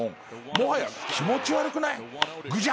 もはや気持ち悪くない？グジャ！